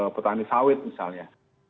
petani sawit misalnya